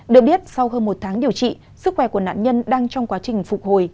được biết sau hơn một tháng điều trị sức khỏe của nạn nhân đang trong quá trình phục hồi